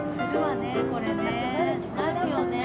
これね。